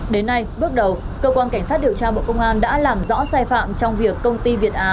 đến nay bước đầu cơ quan cảnh sát điều tra bộ công an đã làm rõ sai phạm trong việc công ty việt á